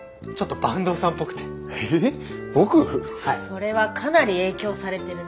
それはかなり影響されてるね。